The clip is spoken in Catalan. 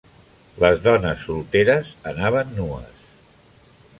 Les dones solteres anaven nues.